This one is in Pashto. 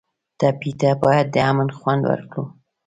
ټپي ته باید د امن خوند ورکړو.